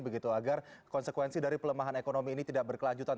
begitu agar konsekuensi dari pelemahan ekonomi ini tidak berkelanjutan